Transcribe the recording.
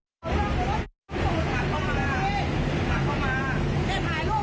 เฮ้งหายลวงไปหมดแน่เนี่ย